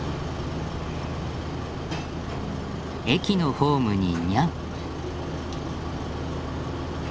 駅のホームにニャン。